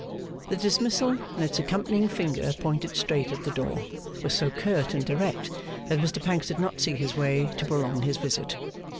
The dismissal, and its accompanying finger pointed straight at the door, was so curt and direct that Mr Pancks did not see his way to prolong his visit.